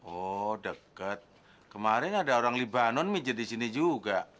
oh deket kemarin ada orang libanon minjer di sini juga